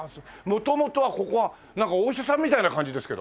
元々はここはなんかお医者さんみたいな感じですけど。